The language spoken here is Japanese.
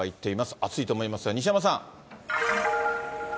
暑いと思いますが、西山さん。